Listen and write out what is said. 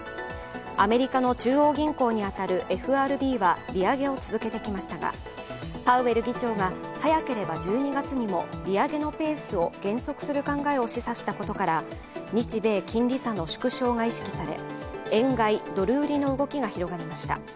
アメリカの中央銀行に当たるＦＲＢは利上げを続けてきましたがパウエル議長が早ければ１２月にも利上げのペースを減速する考えを示唆したことから日米金利差の縮小が意識され円買い・ドル売りの動きが広がりました。